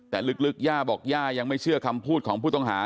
แต่ลึกย่าบอกย่ายังไม่เชื่อคำพูดของผู้ต้องหา